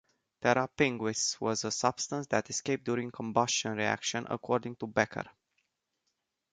"Terra pinguis" was a substance that escaped during combustion reactions, according to Becher.